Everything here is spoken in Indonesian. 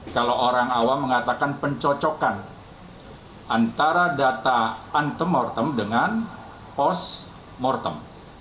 kalau orang awam mengatakan pencocokan antara data antemortem dengan post mortem